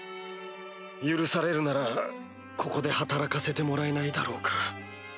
許されるならここで働かせてもらえないだろうか。